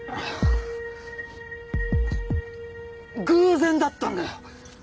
偶然だったんだよ！